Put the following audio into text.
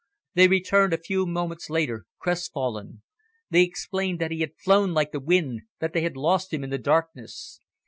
They returned a few moments later, crestfallen. They explained that he had flown like the wind, that they had lost him in the darkness.